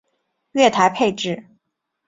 月台配置